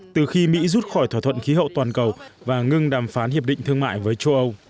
từ khi mỹ rút khỏi thỏa thuận khí hậu toàn cầu và ngừng đàm phán hiệp định thương mại với châu âu